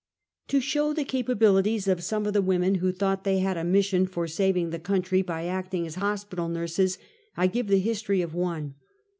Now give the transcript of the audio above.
To SHOW the capabilities of some of the women who thought they had a mission for saving the country by acting as hospital nurses, I give the history of one.